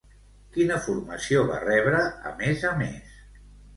Quina formació va rebre, a més a més?